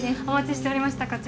お待ちしておりました